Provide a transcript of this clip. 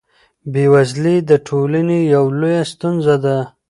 بېوزلي د ټولنې یوه لویه ستونزه ده.